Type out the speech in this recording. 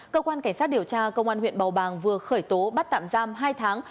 cơ quan cảnh sát điều tra công an huyện bầu bàng vừa khởi tố bắt tạm giam hai tháng